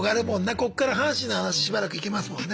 ここから阪神の話しばらくいけますもんね。